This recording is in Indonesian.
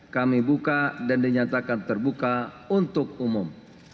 kami buka dan dinyatakan terbuka untuk umum